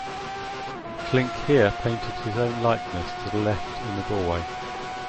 Flinck here painted his own likeness to the left in a doorway.